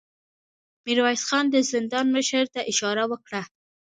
ميرويس خان د زندان مشر ته اشاره وکړه.